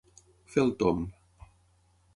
Fer el tomb.